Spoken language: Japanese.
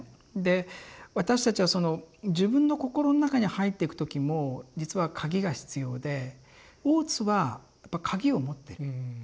で私たちは自分の心の中に入っていく時も実は鍵が必要で大津はやっぱ鍵を持ってる。